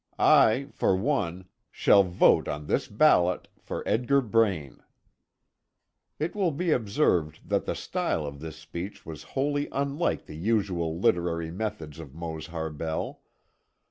I, for one, shall vote on this ballot for Edgar Braine!" It will be observed that the style of this speech was wholly unlike the usual literary methods of Mose Harbell.